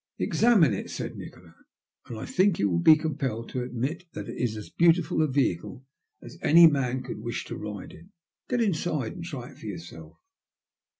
Examine it," said Nikola, " and I think you will be compelled to admit that it is as beautiful a vehicle as any man could wish to ride in ; get inside and try it for yourself."